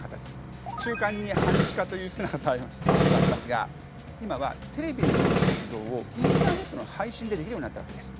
中間に半地下というふうなありますが今はテレビのような活動をインターネットの配信でできるようになったわけです。